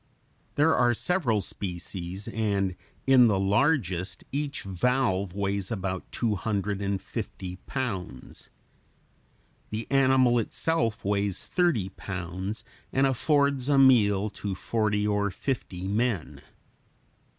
There are several species, and in the largest each valve weighs about two hundred and fifty pounds. The animal itself weighs thirty pounds, and affords a meal to forty or fifty men.